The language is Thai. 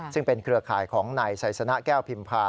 ซึ่งเป็นเครือข่ายของนายไซสนะแก้วพิมพา